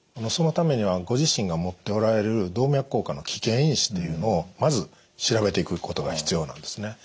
そのためにはご自身が持っておられる動脈硬化の危険因子っていうのをまず調べていくことが必要なんですね。